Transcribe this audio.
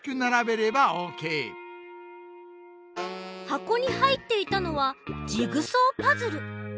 はこにはいっていたのはジグソーパズル。